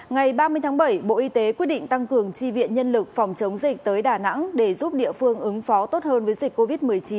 ngày ba mươi tháng bảy bộ y tế quyết định tăng cường tri viện nhân lực phòng chống dịch tới đà nẵng để giúp địa phương ứng phó tốt hơn với dịch covid một mươi chín